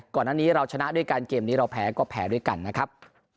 ก่อนหน้านี้เราชนะด้วยกันเกมนี้เราแพ้ก็แพ้ด้วยกันนะครับ